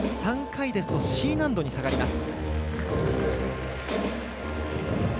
３回ですとＣ難度に下がります。